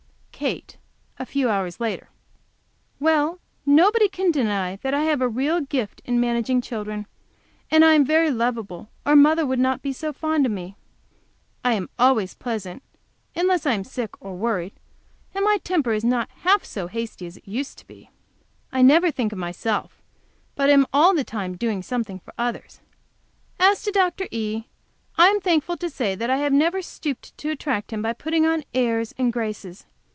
Kate, a few hours later. Well, nobody can deny that I have a real gift in managing children! And I am very lovable, or mother wouldn't be so fond of me. I am always pleasant unless I am sick, or worried, and my temper is not half so hasty as it used to be. I never think of myself, but am all the time doing something for others. As to Dr. E., I am thankful to say that I have never stooped to attract him by putting on airs and graces.